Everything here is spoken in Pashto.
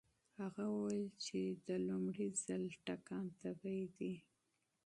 هغه وویل چې د لومړي ځل ټکان طبيعي دی.